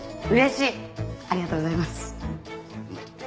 ありがとうございます。